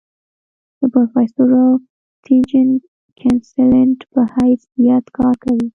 د پروفيسر او ټيچنګ کنسلټنټ پۀ حېث يت کار کوي ۔